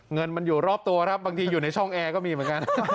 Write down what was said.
เงินมันอยู่รอบตัวครับบางทีอยู่ในช่องแอร์ก็มีเหมือนกัน